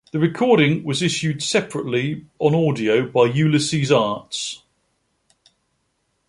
The recording was issued separately on audio by Ulysses Arts.